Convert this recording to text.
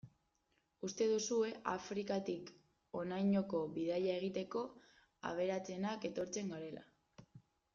Uste duzue Afrikatik honainoko bidaia egiteko, aberatsenak etortzen garela.